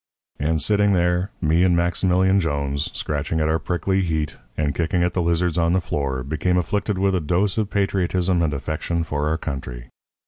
"And sitting there me and Maximilian Jones, scratching at our prickly heat and kicking at the lizards on the floor, became afflicted with a dose of patriotism and affection for our country.